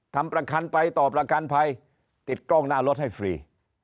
ทำประกันไปต่อประกันภัยติดกล้องหน้ารถให้ฟรี